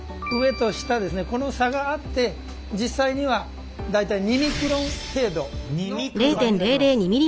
この差があって実際には大体２ミクロン程度の差になります。